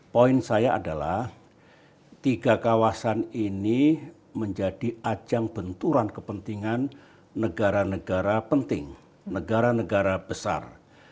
poin saya adalah tiga kawasan ini menjadi ajang benturan kepentingan negara negara penting negara negara besar